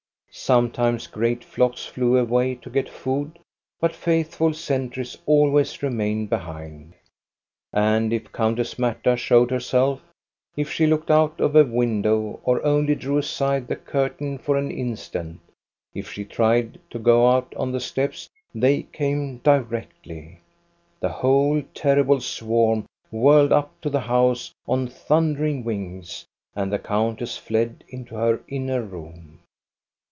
Sometimes great flocks flew away to get food, but faithful sentries always re mained behind. And if Countess Marta showed her self, if she looked out of a window or only drew aside the curtain for an instant, if she tried to go out on the steps, — they came directly. The whole terrible swarm whirled up to the house on thundering wings, and the countess fled into her inner room.